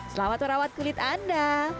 selamat perawat kulit anda